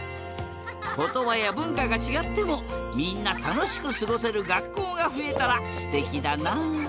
ことばやぶんかがちがってもみんなたのしくすごせるがっこうがふえたらすてきだな！